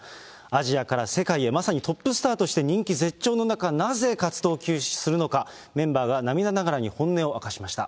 アジアから世界へ、まさにトップスターとして人気絶頂の中、なぜ活動休止するのか、メンバーが涙ながらに本音を明かしました。